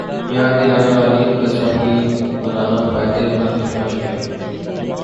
یاد دلانے والی تصاویر بنانا فائدے مند مشق ہے